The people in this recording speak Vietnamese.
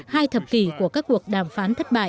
hai thập kỷ của các cuộc đàm phán thất bại